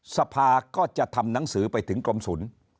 สภาก็จะทำหนังสือไปถึงกรมศูนย์